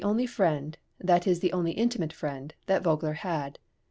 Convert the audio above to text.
} (390) friend, that is the only intimate friend, that Vogler had."